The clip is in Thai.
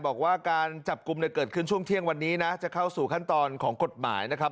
บอกว่าการจับกลุ่มเนี่ยเกิดขึ้นช่วงเที่ยงวันนี้นะจะเข้าสู่ขั้นตอนของกฎหมายนะครับ